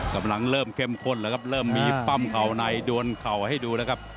กำลังเริ่มเข้มข้นแล้วครับเริ่มมีปั้มเข่าในดวนเข่าให้ดูแล้วครับ